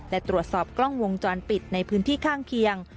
และตรวจสอบกล้องวงจรปิดในพื้นที่ข้างเคียง